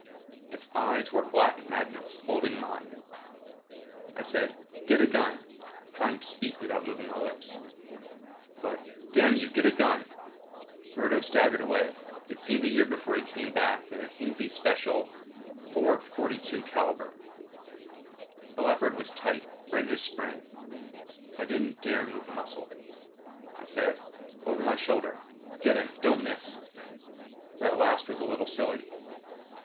It's eyes were black magnets, holding mine. I said, "Get a gun," trying to speak without moving my lips. "But " "Damn you get a gun!" Murdo staggered away. It seemed a year before he came back with a Hinzie Special .442. The leopard was tight, ready to spring. I didn't dare move a muscle. I said, "Over my shoulder. Get him. Don't miss." That last was a little silly.